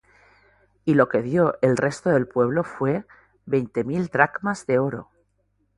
Y lo que dió el resto del pueblo fué veinte mil dracmas de oro.